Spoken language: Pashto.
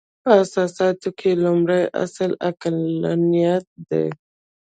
په اساساتو کې یې لومړۍ اصل عقلانیت دی.